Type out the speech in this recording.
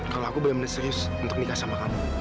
kalau aku boleh menerius untuk nikah sama kamu